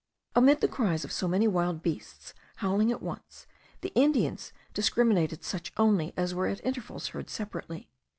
Amid the cries of so many wild beasts howling at once, the Indians discriminated such only as were at intervals heard separately.